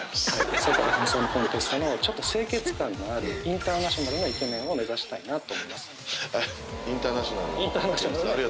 世界ハンサムコンテストのちょっと清潔感のあるインターナショナルなイケメンを目指したいなと思いますあっ